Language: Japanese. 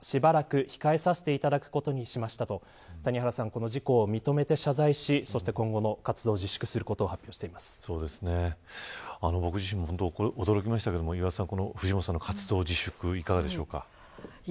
この事故を認めて謝罪し今後の活動を自粛することを僕自身も本当に驚きましたが岩田さん、藤本さんの活動自粛いかがでしょうか。